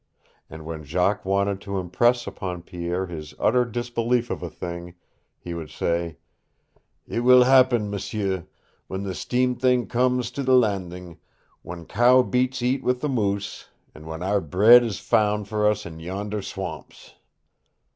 And when Jacques wanted to impress upon Pierre his utter disbelief of a thing, he would say: "It will happen, m'sieu, when the steam thing comes to the Landing, when cow beasts eat with the moose, and when our bread is found for us in yonder swamps!"